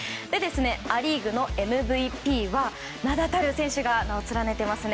ア・リーグのＭＶＰは名だたる選手が名を連ねていますね。